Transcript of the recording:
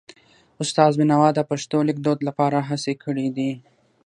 استاد بینوا د پښتو لیکدود لپاره هڅې کړې دي.